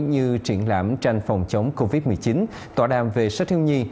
như triển lãm tranh phòng chống covid một mươi chín tòa đàm về sách hiếu nhi